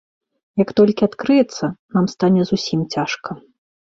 Як толькі адкрыецца, нам стане зусім цяжка.